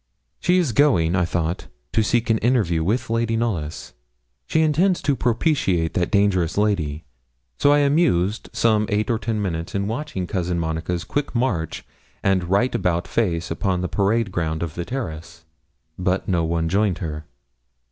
She is going, I thought, to seek an interview with Lady Knollys. She intends to propitiate that dangerous lady; so I amused some eight or ten minutes in watching Cousin Monica's quick march and right about face upon the parade ground of the terrace. But no one joined her.